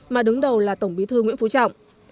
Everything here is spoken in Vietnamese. mà đứng đầu là tổng bí thư nguyễn phú trọng